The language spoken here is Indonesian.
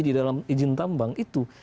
di dalam izin tambang itu